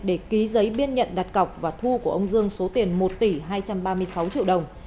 để ký giấy biên nhận đặt cọc và thu của ông dương số tiền một tỷ hai trăm ba mươi sáu triệu đồng